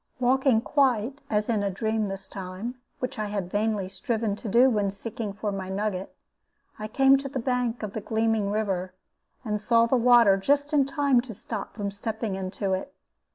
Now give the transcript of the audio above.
Walking quite as in a dream this time (which I had vainly striven to do when seeking for my nugget), I came to the bank of the gleaming river, and saw the water just in time to stop from stepping into it.